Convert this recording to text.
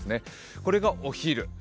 これがお昼。